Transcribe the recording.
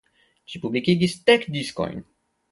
Ĝi publikigis dek diskojn.